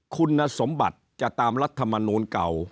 คุณสมบัติจะตามรัฐมนูลเก่า